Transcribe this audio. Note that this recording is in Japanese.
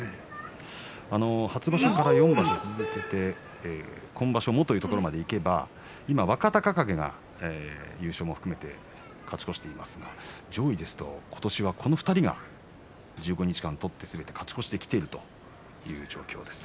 初場所から４場所続けて今場所もというところまでいけば今は若隆景が優勝も含めて勝ち越していますが上位ですと今年はこの２人が１５日間取ってすべて勝ち越してきているという状況です。